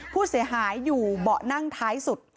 ผู้เสียหายอยู่เบาะนั่งท้ายสุด